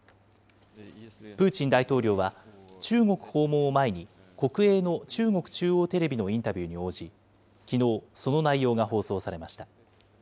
プーチン大統領は中国訪問を前に、国営の中国中央テレビのインタビューに応じ、きのう、その内容が放送されました。